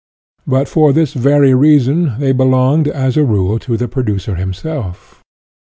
But, for 98 SOCIALISM this very reason they belonged, as a rule, to the producer himself.